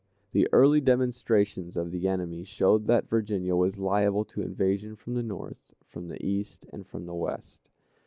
The early demonstrations of the enemy showed that Virginia was liable to invasion from the north, from the east, and from the west.